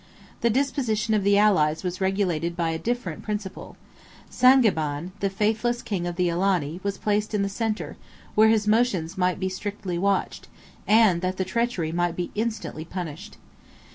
The disposition of the allies was regulated by a different principle. Sangiban, the faithless king of the Alani, was placed in the centre, where his motions might be strictly watched, and that the treachery might be instantly punished.